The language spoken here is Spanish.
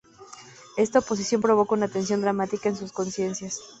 Esta oposición provoca una tensión dramática en sus conciencias.